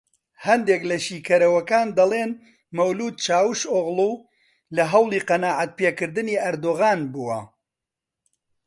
هەندێک لە شیکەرەوەکان دەڵێن مەولود چاوشئۆغڵو لە هەوڵی قەناعەتپێکردنی ئەردۆغان بووە